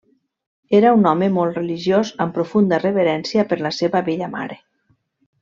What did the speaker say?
Era un home molt religiós amb profunda reverència per la seva vella mare.